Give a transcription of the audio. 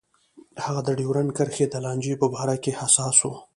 هغه د ډیورنډ کرښې د لانجې په باره کې حساس و.